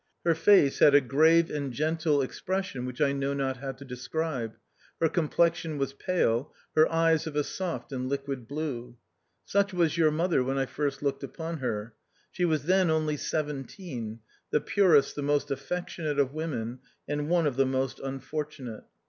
Her face had a grave and gentle expression which I know not how to describe, her com plexion was pale, her eyes of a soft and liquid blue. Such was your mother when I first looked upon her. She was then only seventeen, the purest, the most affectionate of women, and one of the most unfortunate.